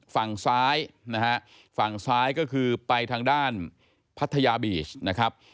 ฝั่งซ้ายนะฮะฝั่งซ้ายก็คือไปทางด้านพัทยาบีชนะครับ